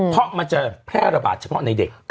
เพราะมันจะแพร่ระบาดเฉพาะในเด็ก